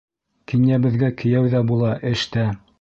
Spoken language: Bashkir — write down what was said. Кинйәбеҙгә кейәү ҙә була, эш тә.